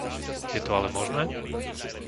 Je to ale možné?